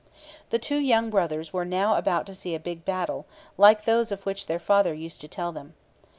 The two young brothers were now about to see a big battle, like those of which their father used to tell them.